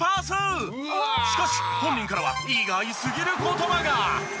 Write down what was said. しかし本人からは意外すぎる言葉が。